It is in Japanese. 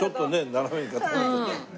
斜めに傾いてて。